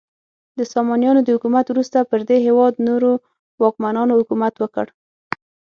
د سامانیانو د حکومت وروسته پر دې هیواد نورو واکمنانو حکومت وکړ.